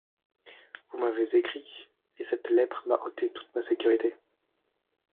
Vous m’avez écrit… et cette lettre m’a ôté toute ma sécurité…